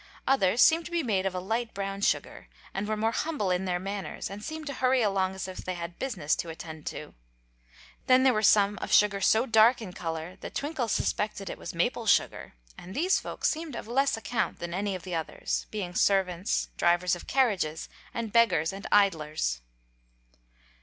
Others seemed to be made of a light brown sugar, and were more humble in their manners and seemed to hurry along as if they had business to attend to. Then there were some of sugar so dark in color that Twinkle suspected it was maple sugar, and these folks seemed of less account than any of the others, being servants, drivers of carriages, and beggars and idlers.